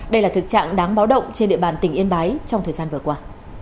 đây là thực trạng đáng báo động trên địa bàn tỉnh yên bái trong thời gian vừa qua